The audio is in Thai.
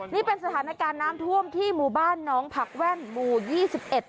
นี่เป็นสถานการณ์น้ำท่วมที่หมู่บ้านน้องผักแว่นหมู่ยี่สิบเอ็ด